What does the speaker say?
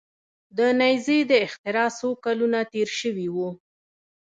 د نیزې د اختراع څو کلونه تیر شوي وو.